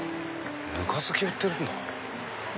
ぬか漬け売ってるんだ。